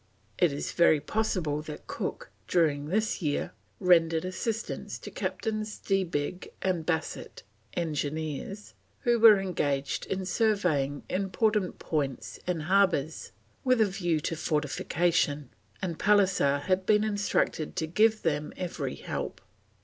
It is very possible that Cook, during this year, rendered assistance to Captains Debbieg and Bassett, engineers, who were engaged in surveying important points and harbours with a view to fortification, and Pallisser had been instructed to give them every help.